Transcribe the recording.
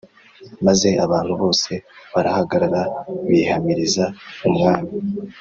Maze abantu bose barahagarara bihamiriza umwami